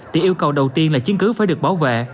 thì yêu cầu đầu tiên là chiến cứu phải được bảo vệ